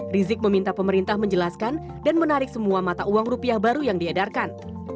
rizik meminta pemerintah menjelaskan dan menarik semua mata uang rupiah baru yang diedarkan